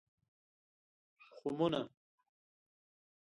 خمونه